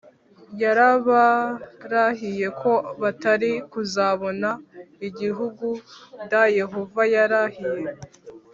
yarabarahiye ko batari kuzabona igihugud Yehova yarahiye